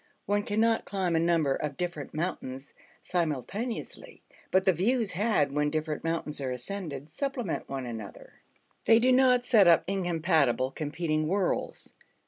One cannot climb a number of different mountains simultaneously, but the views had when different mountains are ascended supplement one another: they do not set up incompatible, competing worlds.